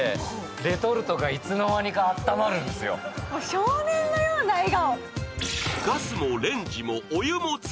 少年のような笑顔。